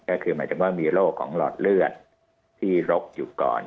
ก็คือหมายถึงว่ามีโรคของหลอดเลือดที่รกอยู่ก่อน